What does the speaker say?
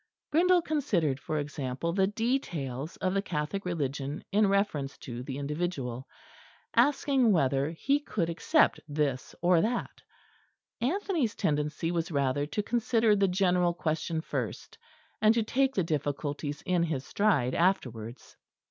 Grindal considered, for example, the details of the Catholic religion in reference to the individual, asking whether he could accept this or that: Anthony's tendency was rather to consider the general question first, and to take the difficulties in his stride afterwards.